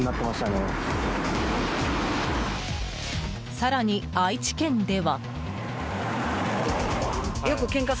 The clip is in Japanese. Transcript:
更に、愛知県では。